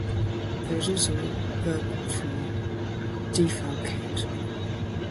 There is also a verb form, "defalcate".